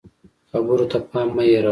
خبرو ته پام مه هېروه